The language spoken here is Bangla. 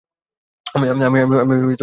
আমি আসলেই খুব দুঃখিত।